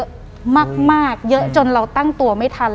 เยอะมากเยอะจนเราตั้งตัวไม่ทัน